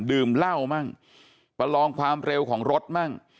ดื่มเหล้ามั่งประลองความเร็วของรถมั่ง